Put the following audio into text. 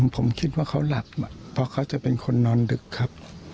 ผมคิดว่าเขาหลับเพราะเขาจะเป็นคนนอนดึกครับ